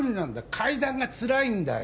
階段がつらいんだよ